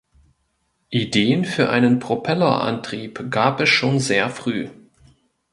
Ideen für einen Propellerantrieb gab es schon sehr früh.